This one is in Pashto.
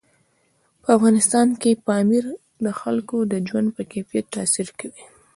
په افغانستان کې پامیر د خلکو د ژوند په کیفیت تاثیر کوي.